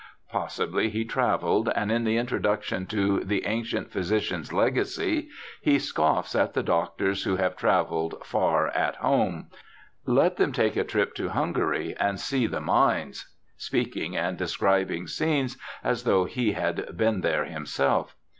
Possibly he travelled, and in the introduction to The Ancient Physician's Legacy he scofifs at the doctors who have travelled * far at home '; 'Let them take a trip to Hungary and see the mines,' speaking, and describing scenes, as though he had been there himself.